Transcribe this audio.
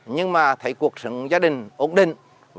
nhưng mà thấy cuộc sống gia đình ổn định